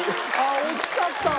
惜しかった俺。